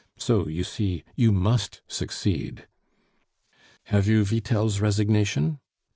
So, you see, you must succeed." "Have you Vitel's resignation?"